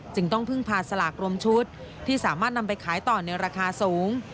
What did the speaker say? จึงต้องพึ่งพาสลากรวมชุดที่สามารถนำไปขายต่อในราคาสูง